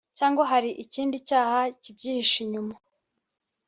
cyangwa hari ikindi cyaba kibyihishe inyuma